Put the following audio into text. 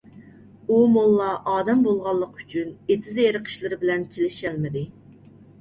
ئۇ موللا ئادەم بولغانلىقى ئۈچۈن، ئېتىز - ئېرىق ئىشلىرى بىلەن كېلىشەلمىدى.